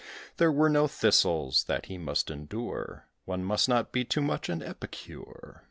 There were no thistles, that he must endure: One must not be too much an epicure.